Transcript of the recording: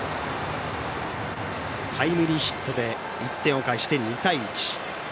タイムリーヒットで１点を返して２対１。